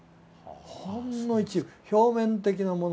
ほんの一部表面的なものだけ。